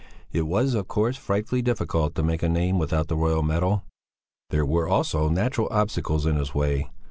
It was, of course, frightfully difficult to make a name without the Royal Medal. There were also natural obstacles in his way.